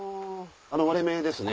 あの割れ目ですね。